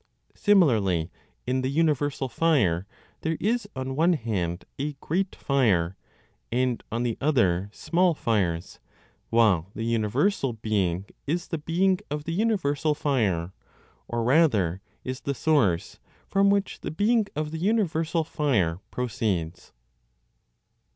Similarly, in the universal Fire, there is on one hand a great fire, and on the other small fires, while the universal Being is the being of the universal Fire, or rather, is the source from which the being of the universal Fire proceeds.